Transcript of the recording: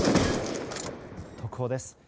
特報です。